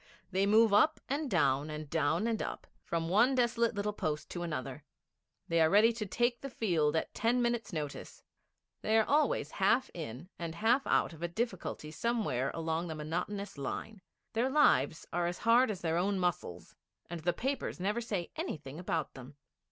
They move up and down, and down and up, from one desolate little post to another; they are ready to take the field at ten minutes' notice; they are always half in and half out of a difficulty somewhere along the monotonous line; their lives are as hard as their own muscles, and the papers never say anything about them.